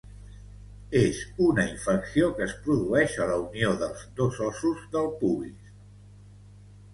És una infecció que es produeix a la unió dels dos ossos del pubis